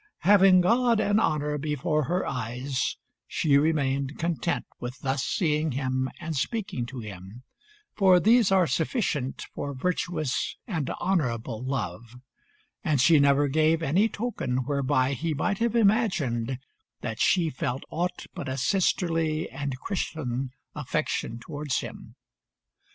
Having God and honour before her eyes, she remained content with thus seeing him and speaking to him, for these are sufficient for virtuous and honourable love; and she never gave any token whereby he might have imagined that she felt aught but a sisterly and Christian affection towards him.